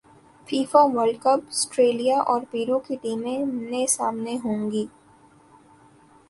FIFA world cup سٹریلیا اور پیرو کی ٹیمیں منے سامنے ہوں گی